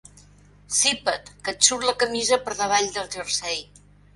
Sipa't, que et surt la camisa per davall del jersei.